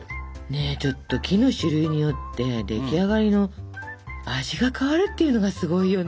ねえちょっと木の種類によって出来上がりの味が変わるっていうのがすごいよね。